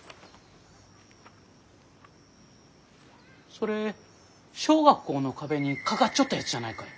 それ小学校の壁に掛かっちょったやつじゃないかえ？